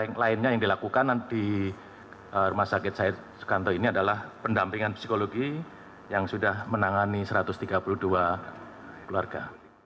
yang lainnya yang dilakukan di rumah sakit said sukanto ini adalah pendampingan psikologi yang sudah menangani satu ratus tiga puluh dua keluarga